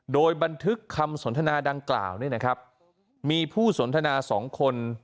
โดยบันทึกคำสนทนาดังกล่าวเนี่ยนะครับมีผู้สนทนา๒คน